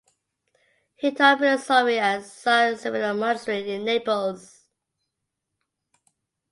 He taught philosophy at San Severino Monastery in Naples.